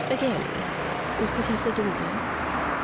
Again, with Professor Dingo."